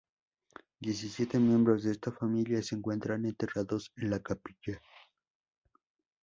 Diecisiete miembros de esta familia se encuentran enterrados en la capilla.